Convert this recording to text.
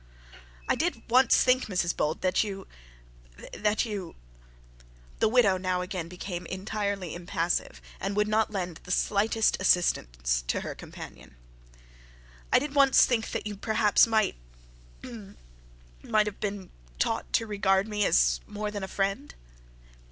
'I did once think, Mrs Bold that you that you ' The widow now again became entirely impassive, and would not lend the slightest assistance to her companion. 'I did once think that you perhaps might might have been taught to regard me as more than a friend.'